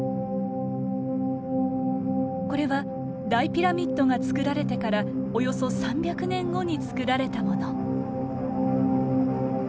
これは大ピラミッドが造られてからおよそ３００年後に造られたもの。